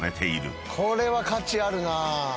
これは価値あるなぁ。